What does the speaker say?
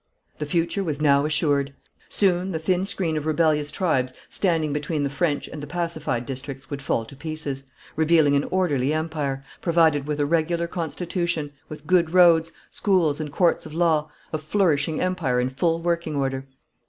The future was now assured. Soon the thin screen of rebellious tribes standing between the French and the pacified districts would fall to pieces, revealing an orderly empire, provided with a regular constitution, with good roads, schools, and courts of law, a flourishing empire in full working order.